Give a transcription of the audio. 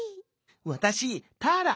「わたしターラ。